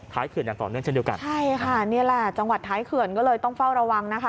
ท้ายเขื่อนอย่างต่อเนื่องเช่นเดียวกันจังหวัดท้ายเขื่อนก็เลยต้องเฝ้าระวังนะคะ